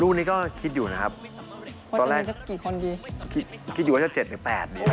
ลูกนี้ก็คิดอยู่นะครับตอนแรกคิดอยู่ว่าจะเจ็ดหรือแปด